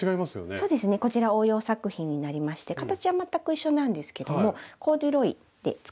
そうですねこちら応用作品になりまして形は全く一緒なんですけどもコーデュロイで作っています。